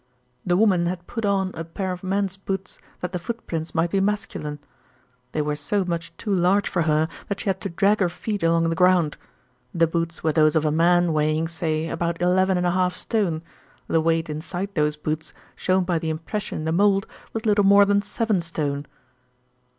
"The woman had put on a pair of men's boots that the footprints might be masculine. They were so much too large for her that she had to drag her feet along the ground. The boots were those of a man weighing, say, about eleven and a half stone; the weight inside those boots shown by the impression in the mould was little more than seven stone."